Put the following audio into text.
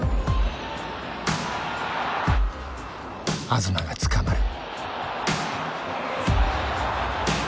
東がつかまる。